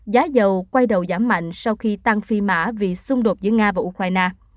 giá dầu quay đầu giảm mạnh sau khi tăng phi mã vì xung đột giữa nga và ukraine